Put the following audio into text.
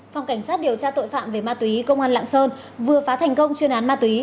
phòng cảnh sát điều tra tội phạm về ma túy công an lạng sơn vừa phá thành công chuyên án ma túy